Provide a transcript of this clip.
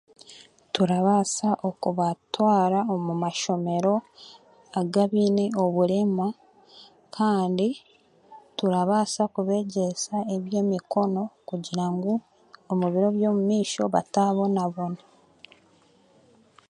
Turabaasa okubatwara omu mashomero agabiine oburema, kandi turabaasa kubeegyesa eby'emikono kugira ngu omu biro by'omu maisho bataabonabona.